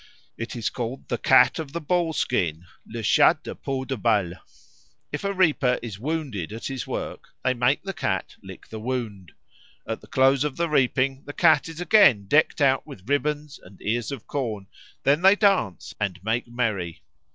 It is called the Cat of the ball skin (le chat de peau de balle). If a reaper is wounded at his work, they make the cat lick the wound. At the close of the reaping the cat is again decked out with ribbons and ears of corn; then they dance and make merry.